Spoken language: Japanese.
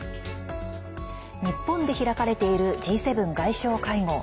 日本で開かれているＧ７外相会合。